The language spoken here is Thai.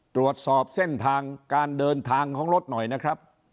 ตรวจสอบเส้นทางการเดินทางของรถหน่อยนะครับ